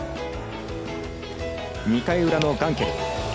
２回裏のガンケル。